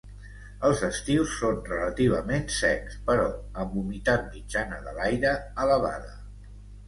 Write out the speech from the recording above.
Els estius són relativament secs però amb humitat mitjana de l'aire elevada.